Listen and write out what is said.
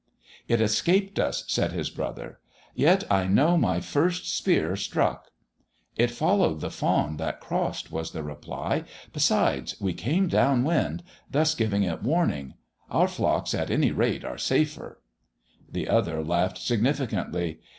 "It escaped us," said his brother. "Yet I know my first spear struck." "It followed the fawn that crossed," was the reply. "Besides, we came down wind, thus giving it warning. Our flocks, at any rate, are safer " The other laughed significantly.